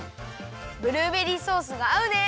ブルーベリーソースがあうね。